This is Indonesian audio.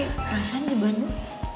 rasanya di bandung